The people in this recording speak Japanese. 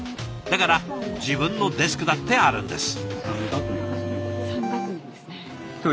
だから自分のデスクだってあるんです。